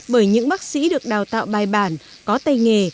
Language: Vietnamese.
bởi những bác sĩ được đào tạo bài bản có tay nghề